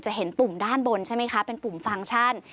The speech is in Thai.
เห็นปุ่มด้านบนใช่ไหมคะเป็นปุ่มฟังก์ชัน